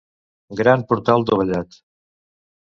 Gran portal dovellat.